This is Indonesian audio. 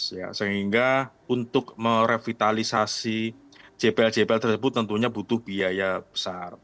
itu dana terbatas sehingga untuk merevitalisasi jbl jbl tersebut tentunya butuh biaya besar